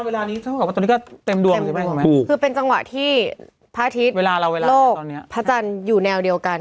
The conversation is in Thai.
เวลานี้เต็มดวงคือเป็นจังหวะที่พระอาทิตย์โลกพระอาจารย์อยู่แนวเดียวกัน